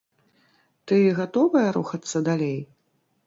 Ты гатовая рухацца далей?